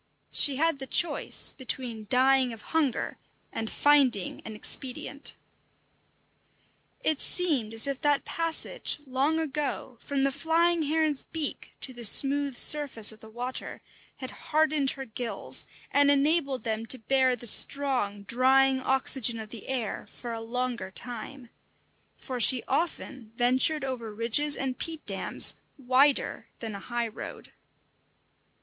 She had the choice between dying of hunger and finding an expedient. It seemed as if that passage, long ago, from the flying heron's beak to the smooth surface of the water had hardened her gills and enabled them to bear the strong, drying oxygen of the air for a longer time; for she often ventured over ridges and peat dams wider than a high road.